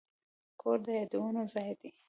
کور د یادونو ځای دی.